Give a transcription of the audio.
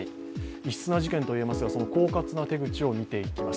異質な事件といえますがそのこうかつな手口を見ていきます。